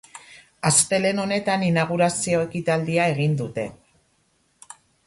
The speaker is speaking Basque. Astelehen honetan inaugurazio ekitaldia egin dute.